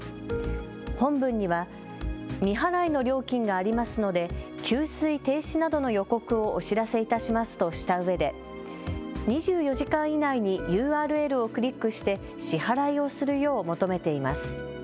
本文には未払いの料金がありますので給水停止などの予告をお知らせいたしますとしたうえで２４時間以内にＵＲＬをクリックして支払いをするよう求めています。